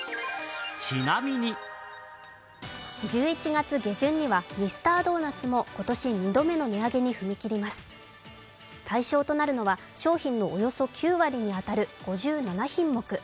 １１月下旬には、ミスタードーナツも今年２度目の値上げに踏み切ります対象となるのは商品のおよそ９割に当たる５７品目。